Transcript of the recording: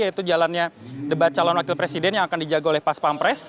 yaitu jalannya debat calon wakil presiden yang akan dijaga oleh pas pampres